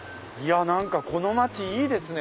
この街いいですね